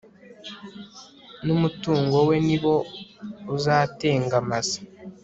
n'umutungo we ni bo uzatengamaza